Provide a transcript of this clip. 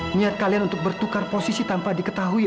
niat kalian untuk bertukar posisi tanpa diketahui